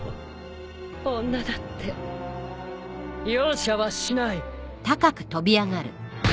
女だって容赦はしない！